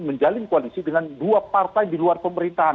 menjalin koalisi dengan dua partai di luar pemerintahan